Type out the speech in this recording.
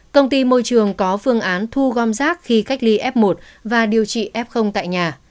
công ty môi trường có phương án thu gom rác khi cách ly f một và điều trị f tại nhà